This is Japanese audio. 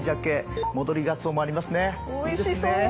おいしそう。